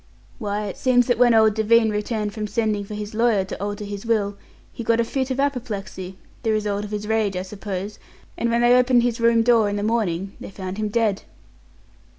"Why, it seems that when old Devine returned from sending for his lawyer to alter his will, he got a fit of apoplexy, the result of his rage, I suppose, and when they opened his room door in the morning they found him dead."